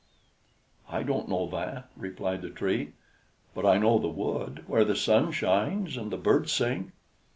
"I don't know that," replied the Tree; "but I know the wood, where the sun shines and the birds sing."